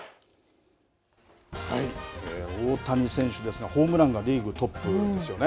大谷選手ですがホームランがリーグトップですよね。